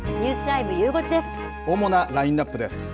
主なラインナップです。